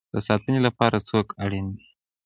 د ساتنې لپاره څوک اړین دی؟